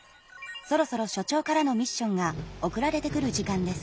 そろそろ所長からのミッションが送られてくる時間です。